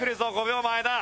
５秒前だ。